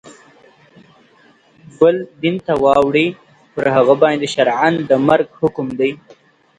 بل دین ته واوړي پر هغه باندي شرعاً د مرګ حکم دی.